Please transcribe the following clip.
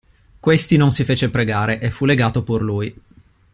Questi non si fece pregare, e fu legato pur lui.